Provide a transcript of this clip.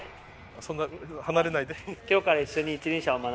そんな離れないで。